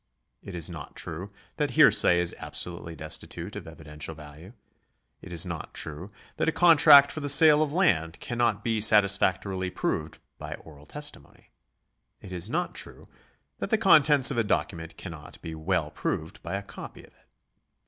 It is not true that hearsay is absolutely destitute of evidential value ; it is not true that a contract for the sale of land cannot be satisfactorily proved by oral testimony ; it is not true that the contents of a document cannot be well proved by a copy of it.